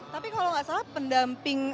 tapi kalau nggak salah pendamping